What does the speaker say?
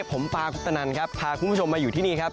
ผมป่าคุณป่าพาคุณผู้ชมมาอยู่ที่นี่ครับ